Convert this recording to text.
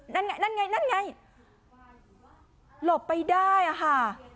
นั่นไงโหลบไปได้ค่ะ